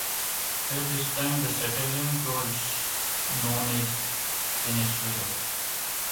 At this time, the settlement was known as Kennelsville.